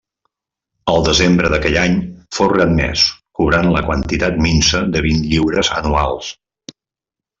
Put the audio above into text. El desembre d’aquell any fou readmès, cobrant la quantitat minsa de vint lliures anuals.